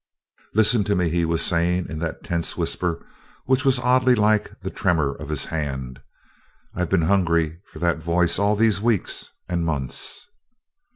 "Listen to me," he was saying in that tense whisper which was oddly like the tremor of his hand, "I've been hungry for that voice all these weeks and months."